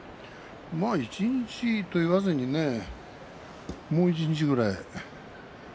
一日といわずにもう一日ぐらい。